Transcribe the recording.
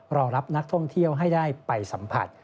รอรับนักท่องเที่ยวให้ได้ไปสัมผัส